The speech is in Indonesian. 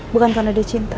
bukan karena dia cinta